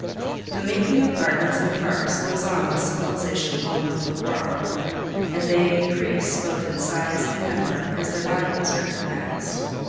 The making of gardens and parks goes on with civilization all over the world, and they increase both in size and number as their value is recognized.